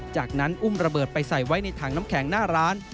จากนั้นอุ้มระเบิดไปใส่ไว้ในถังน้ำแข็งหน้าร้าน